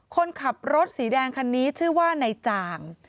คนขับรถสีแดงคันนี้ชื่อว่านายจ่าง